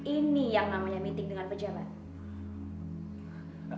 ini yang namanya meeting dengan pejabat